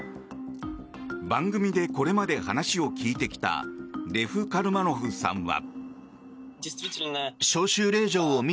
番組でこれまで話を聞いてきたレフ・カルマノフさんは。